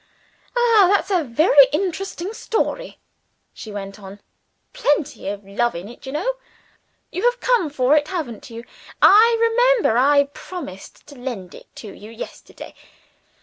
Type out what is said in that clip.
"Ah, that's a very interesting story," she went on. "Plenty of love in it, you know. You have come for it, haven't you? I remember I promised to lend it to you yesterday."